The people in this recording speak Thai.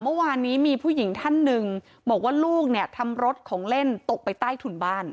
เมื่อวานนี้มีผู้หญิงท่านหนึ่งบอกว่าลูกเนี่ยทำรถของเล่นตกไปใต้ถุนบ้าน